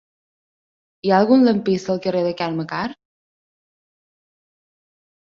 Hi ha algun lampista al carrer de Carme Karr?